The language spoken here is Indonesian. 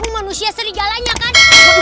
manusia serigalanya kan